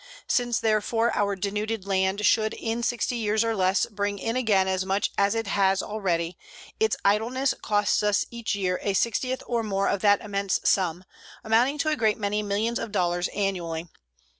Since, therefore, our denuded land should in 60 years or less bring in again as much as it has already, its idleness costs us each year a sixtieth or more of that immense sum, amounting to a great many millions of dollars annually.